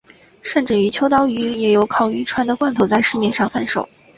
甚至于秋刀鱼也有烤鱼串的罐头在市面上贩售。